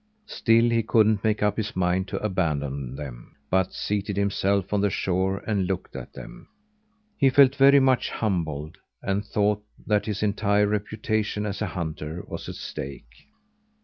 Still he couldn't make up his mind to abandon them, but seated himself on the shore and looked at them. He felt very much humbled, and thought that his entire reputation as a hunter was at stake.